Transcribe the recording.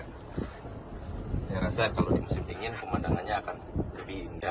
saya rasa kalau di musim dingin pemandangannya akan lebih indah